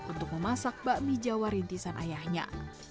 untuk memasak bakmi jawa rintisan ayahnya